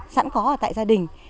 sẵn có ở tại gia đình